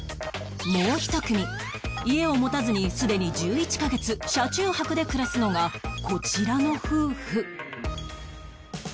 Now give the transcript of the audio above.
もう１組家を持たずにすでに１１カ月車中泊で暮らすのがこちらの夫婦